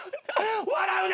笑うな！